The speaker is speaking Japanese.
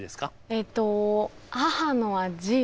えっと母の味。